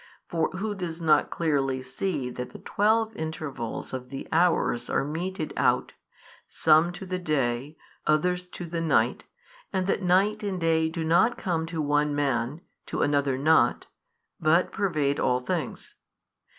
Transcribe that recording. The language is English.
For who does not clearly see that the twelve intervals of the hours are meted out, some to the day, others to the night, and that night and day do not come to one man, to another not, but pervade all things?